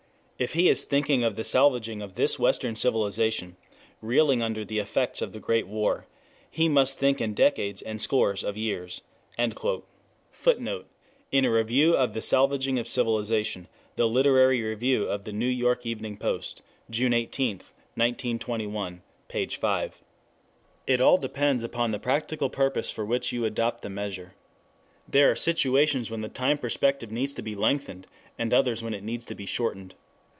If he is thinking of the salvaging of this western civilization, reeling under the effects of the Great War, he must think in decades and scores of years." [Footnote: In a review of The Salvaging of Civilization, The Literary Review of the N. Y. Evening Post, June 18, 1921, p. 5.] It all depends upon the practical purpose for which you adopt the measure. There are situations when the time perspective needs to be lengthened, and others when it needs to be shortened.